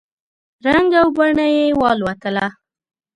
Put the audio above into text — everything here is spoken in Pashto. رنګ او بڼه یې والوتله !